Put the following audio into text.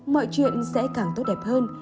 mọi chuyện sẽ càng tốt đẹp hơn